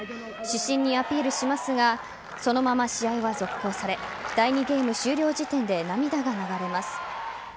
主審にアピールしますがそのまま試合は続行され第２ゲーム終了時点で涙が流れます。